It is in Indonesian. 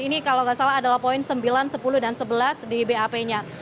ini kalau tidak salah adalah poin sembilan sepuluh dan sebelas di bap nya